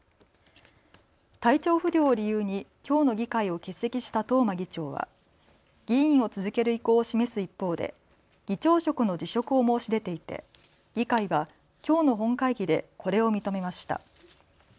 体調不良を理由にきょうの議会を欠席した東間議長は議員を続ける意向を示す一方で議長職の辞職を申し出ていて議会はきょうの本会議でこれを認めました。